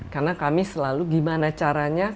karena kami selalu gimana caranya